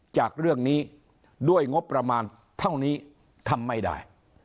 จากเรื่องนี้ด้วยงบประมาณเท่านี้ทำไม่ได้